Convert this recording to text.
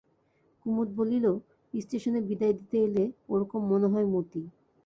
কুমুদ বলিল, স্টেশনে বিদায় দিতে এলে ওরকম মনে হয় মতি।